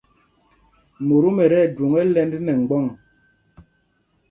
Mótom ɛ́ ti ɛjwoŋ ɛ́lɛ̄nd nɛ mgbɔ̂ŋ.